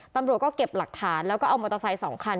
ตำรวจก็เก็บหลักฐานแล้วก็เอามอเตอร์ไซค์๒คัน